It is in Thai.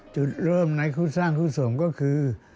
จุดเริ่มในคู่สร้างคู่สมก็คือ